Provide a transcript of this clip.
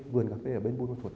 vườn cà phê ở bên bùn mê thuột